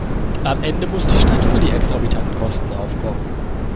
Am Ende muss die Stadt für die exorbitanten Kosten aufkommen.